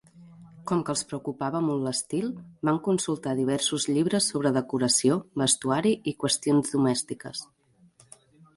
Com que els preocupava molt l'estil, van consultar diversos llibres sobre decoració, vestuari i qüestions domèstiques.